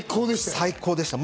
最高でしたよね。